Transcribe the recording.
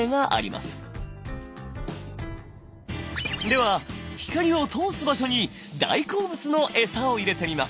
では光を通す場所に大好物のエサを入れてみます。